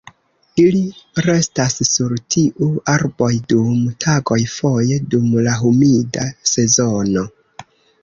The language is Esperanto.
Ili restas sur tiuj arboj dum tagoj foje dum la humida sezono.